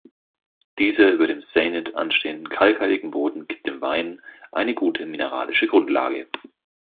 Dieser über dem Syenit anstehende kalkhaltige Boden gibt dem Wein eine gute mineralische Grundlage.